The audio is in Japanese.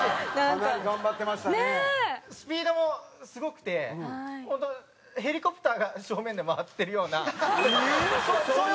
スピードもすごくてホントヘリコプターが正面で回ってるような。ええーっ！？